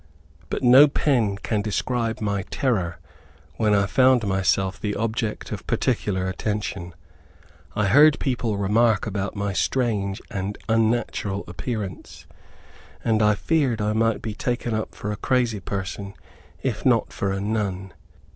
But no pen can describe my terror when I found myself the object of particular attention. I heard people remark about my strange and unnatural appearance, and I feared I might be taken up for a crazy person, if not for a nun.